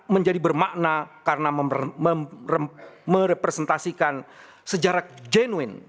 menjadi bermakna karena merepresentasikan sejarah jenuin